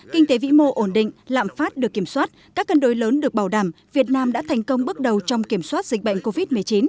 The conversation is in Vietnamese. kinh tế vĩ mô ổn định lạm phát được kiểm soát các cân đối lớn được bảo đảm việt nam đã thành công bước đầu trong kiểm soát dịch bệnh covid một mươi chín